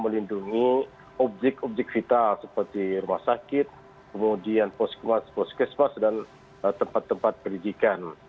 melindungi objek objek vital seperti rumah sakit kemudian puskesmas dan tempat tempat pendidikan